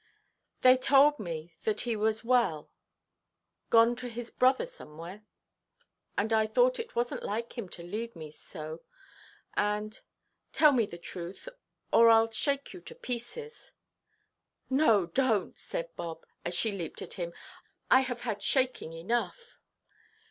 "They told me that he was well, gone to his brother somewhere, and I thought it wasnʼt like him to leave me so, and—tell me the truth, or Iʼll shake you to pieces." "No, donʼt," said Bob, as she leaped at him; "I have had shaking enough."